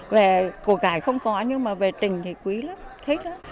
về cuộc gài không có nhưng mà về tình thì quý lắm thích lắm